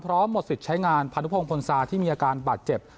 พันธุพงศ์พนศาที่มีอาการบาดเจ็บ